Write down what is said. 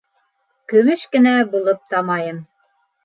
Көмөш кенә булып тамайым